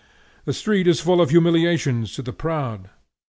The street is full of humiliations to the proud.